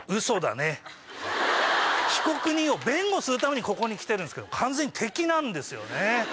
被告人を弁護するためにここに来てるんすけど完全に敵なんですよね。